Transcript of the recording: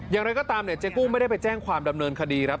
อย่างไรก็ตามเนี่ยเจ๊กุ้งไม่ได้ไปแจ้งความดำเนินคดีครับ